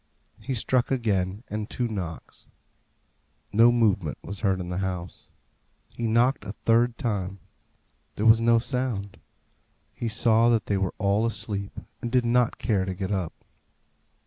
He struck again, and two knocks. No movement was heard in the house. He knocked a third time. There was no sound. He saw that they were all asleep, and did not care to get up.